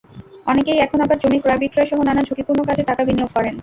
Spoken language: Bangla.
অনেকেই এখন আবার জমি ক্রয়-বিক্রয়সহ নানা ঝুঁকিপূর্ণ কাজে টাকা বিনিয়োগ করেন।